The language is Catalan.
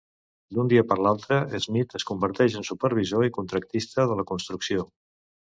D'un dia per l'altre, Smith es converteix en supervisor i contractista de la construcció.